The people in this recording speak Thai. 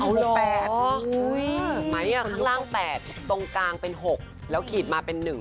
๘ไหมข้างล่าง๘ตรงกลางเป็น๖แล้วขีดมาเป็น๑